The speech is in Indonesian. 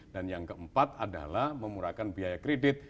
dan yang keempat adalah memurahkan biaya kredit